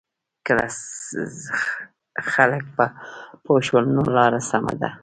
که خلک پوه شول نو لاره سمه ده.